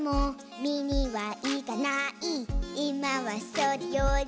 「みにはいかない」「いまはそれより」